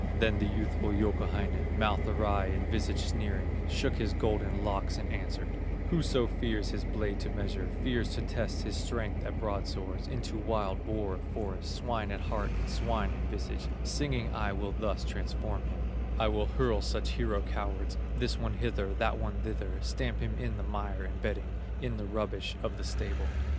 Then the youthful Youkahainen, Mouth awry and visage sneering, Shook his golden locks and answered: "Whoso fears his blade to measure, Fears to test his strength at broadswords, Into wild boar of the forest, Swine at heart and swine in visage, Singing I will thus transform him; I will hurl such hero cowards, This one hither, that one thither, Stamp him in the mire and bedding, In the rubbish of the stable."